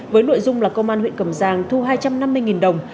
với nội dung là công an huyện cầm giang thu hai trăm năm mươi đồng